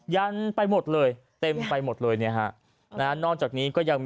ยันเต็มไปหมดเลย